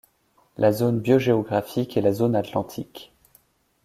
La zone biogéographique est la zone atlantique.